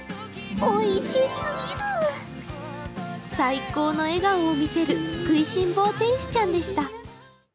最高のえがおを見せる食いしん坊天使ちゃんでした。